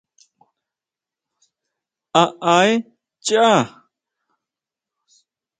¿A aé chaá?